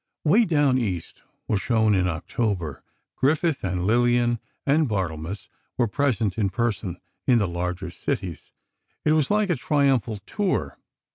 "Way Down East" was shown in October. Griffith, with Lillian and Barthelmess, were present in person, in the larger cities. It was like a triumphal tour.